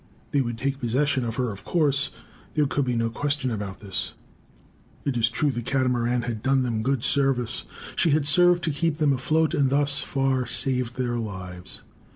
They would take possession of her, of course. There could be no question about this. It is true the Catamaran had done them good service. She had served to keep them afloat, and thus far saved their lives.